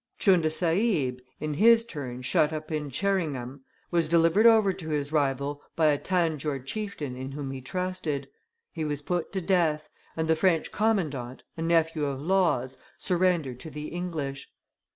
Tchunda Sahib, in his turn shut up in Tcheringham, was delivered over to his rival by a Tanjore chieftain in whom he trusted; he was put to death; and the French commandant, a nephew of Law's, surrendered to the English.